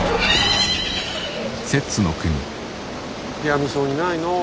やみそうにないのう。